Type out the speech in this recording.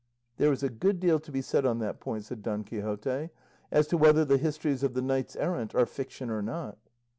"There is a good deal to be said on that point," said Don Quixote, "as to whether the histories of the knights errant are fiction or not."